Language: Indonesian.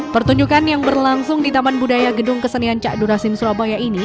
pertunjukan yang berlangsung di taman budaya gedung kesenian cak durasim surabaya ini